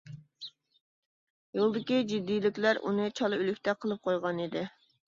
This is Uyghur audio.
يولدىكى جىددىيلىكلەر ئۇنى چالا ئۆلۈكتەك قىلىپ قويغانىدى.